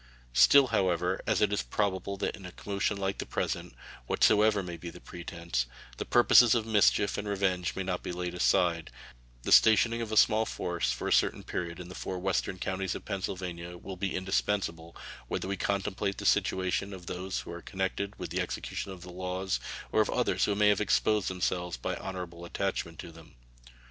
Still, however, as it is probable that in a commotion like the present, whatsoever may be the pretense, the purposes of mischief and revenge may not be laid aside, the stationing of a small force for a certain period in the four western counties of Pennsylvania will be indispensable, whether we contemplate the situation of those who are connected with the execution of the laws or of others who may have exposed themselves by an honorable attachment to them.